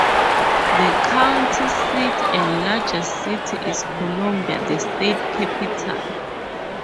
The county seat and largest city is Columbia, the state capital.